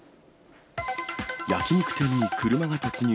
焼き肉店に車が突入。